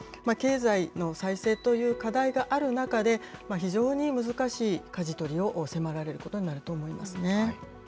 経済の再生という課題がある中で、非常に難しいかじ取りを迫られることになると思いますね。